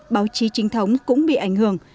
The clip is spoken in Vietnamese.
báo chí trinh thống cũng bị ảnh hưởng